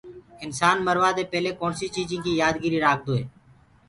انسآن مروآدي پيلي ڪوڻسي چيجي ڪي يآد گري رآکدوئي